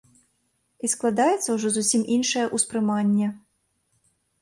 І складаецца ўжо зусім іншае ўспрыманне.